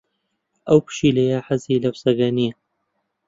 ئەو پشیلەیە حەزی لەو سەگە نییە.